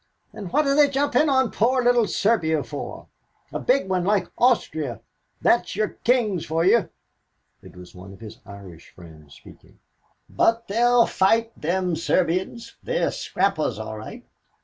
"And what are they jumping on poor little Serbia for, a big one like Austria? That's your kings for you." It was one of his Irish friends speaking. "But they'll fight, them Serbians; they're scrappers all right.